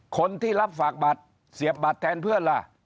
คนที่รับฝากบัตรเสียบบัตรแทนเพื่อนล่ะ